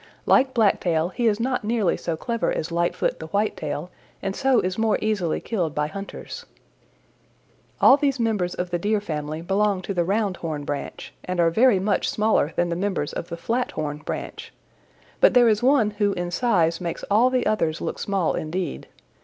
Like Blacktail he is not nearly so clever as Lightfoot the White tail and so is more easily killed by hunters. "All these members of the Deer family belong to the round horn branch, and are very much smaller than the members of the flat horn branch. But there is one who in size makes all the others look small indeed.